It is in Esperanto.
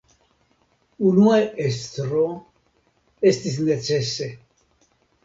Unue estro, estis necese.